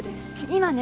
今ね